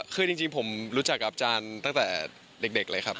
คือจริงผมรู้จักกับอาจารย์ตั้งแต่เด็กเลยครับ